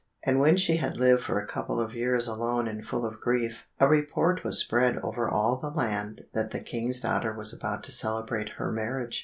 And when she had lived for a couple of years alone and full of grief, a report was spread over all the land that the King's daughter was about to celebrate her marriage.